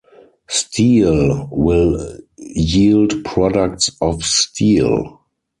Steel will yield products of steel.